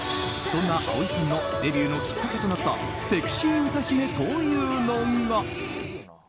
そんな蒼井さんのデビューのきっかけとなったセクシー歌姫というのが。